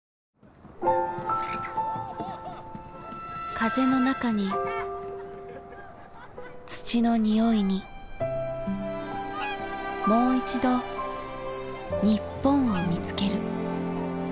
風の中に土の匂いにもういちど日本を見つける。